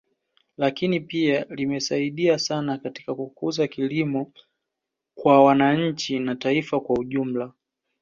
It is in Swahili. Lakini pia limesaidia sana katika kukuza kilimo kwa wananchi na taifa kwa ujumla